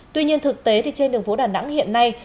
tuy nhiên thực tế thì trên đường phố đà nẵng hiện nay